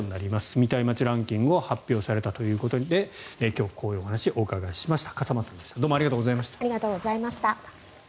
住みたい街ランキングが発表されたということで今日、こういうお話をお伺いしました。